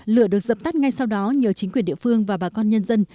lửa được dập tắt ngay sau đó nhờ chính quyền địa phương và bà con nhân dân